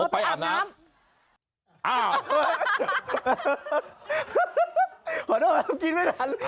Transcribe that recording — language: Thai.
ไปเลย